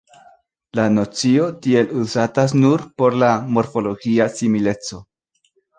La nocio tiel uzatas nur por la morfologia simileco.